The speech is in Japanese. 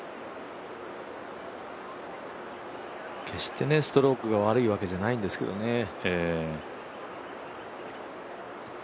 決して、ストロークが悪いわけじゃないんですけどね。